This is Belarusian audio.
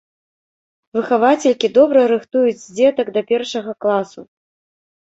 Выхавацелькі добра рыхтуюць дзетак да першага класу.